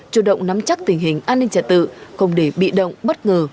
chủ động nắm chắc tình hình an ninh trả tự không để bị động bất ngờ